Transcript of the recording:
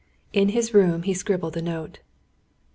In his room he scribbled a note.